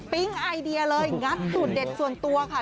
ปิ๊งไอเดียเลยงัดสุดเด็ดส่วนตัวค่ะ